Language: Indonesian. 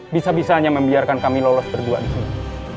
bisa bisanya membiarkan kami lolos berdua disini